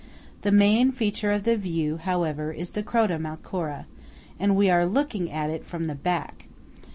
The main feature of the view, however, is the Croda Malcora; and we are looking at it from the back.